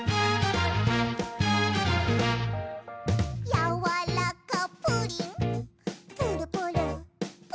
「やわらかプリンプルプルプルプル」